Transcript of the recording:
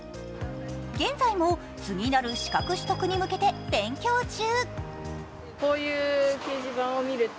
現在も次なる資格取得に向けて勉強中。